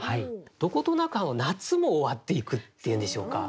どことなく、夏も終わっていくっていうんでしょうか。